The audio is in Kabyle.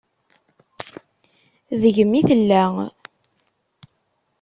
Deg-m i tella.